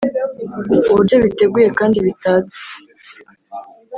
uburyo biteguye kandi bitatse